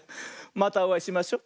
またおあいしましょ。